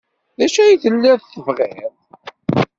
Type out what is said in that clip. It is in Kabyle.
D acu ay telliḍ tebɣiḍ?